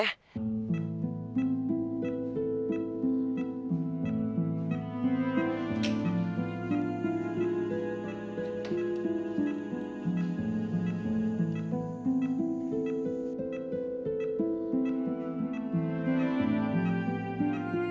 aku mau ke rumah